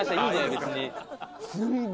別に。